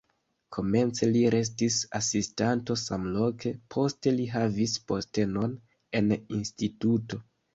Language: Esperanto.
Komence li restis asistanto samloke, poste li havis postenon en instituto.